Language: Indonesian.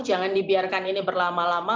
jangan dibiarkan ini berlama lama